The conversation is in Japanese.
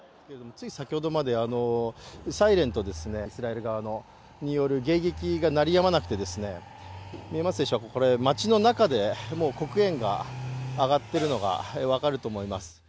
つい先ほどまで、サイレンとイスラエル側による迎撃が鳴り止まなくて、見えますでしょうか、町の中でもう黒煙が上がっているのが分かると思います。